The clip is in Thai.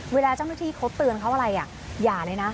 เวลาเจ้าหน้าที่เขาเตือนเขาอะไรอย่าเลยนะ